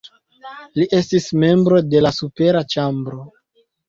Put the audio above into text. Li estis membro de la supera ĉambro.